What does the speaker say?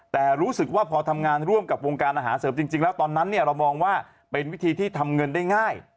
แต่รู้สึกว่าพอทำงานร่วมกับวงการอาหารเสริมจริงแล้วตอนนั้นเรามองว่าเป็นวิธีที่ทำเงินได้ง่าย